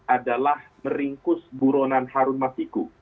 adalah meringkus buronan harun masiku